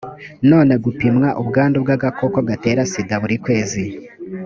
none gupimwa ubwandu bw agakoko gatera sida buri kwezi